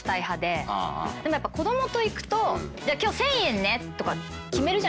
でもやっぱ子供と行くと「今日１，０００円ね」とか決めるじゃないですか上限を。